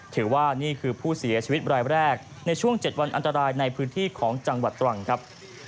ถือว่านี่คือผู้เสียชีวิตรายแรกในช่วง๗วันอันตรายในพื้นที่ของจังหวัดตรังครับ